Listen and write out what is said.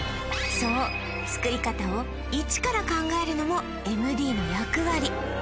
そう作り方を一から考えるのもＭＤの役割